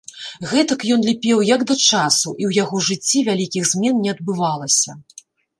Гэтак ён ліпеў як да часу, і ў яго жыцці вялікіх змен не адбывалася.